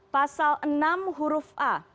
pasal enam huruf a